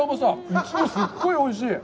イチゴ、すっごいおいしい！